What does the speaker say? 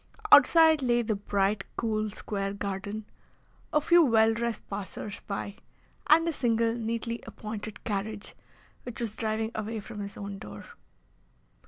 Outside lay the bright, cool, square garden, a few well dressed passers by, and a single, neatly appointed carriage, which was driving away from his own door.